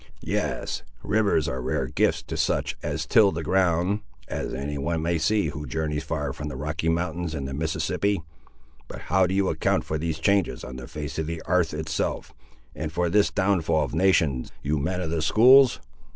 "Yes; rivers are rare gifts to such as till the ground, as any one may see who journeys far atween the Rocky Mountains and the Mississippi. But how do you account for these changes on the face of the 'arth itself, and for this downfall of nations, you men of the schools?"